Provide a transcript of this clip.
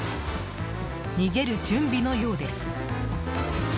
逃げる準備のようです。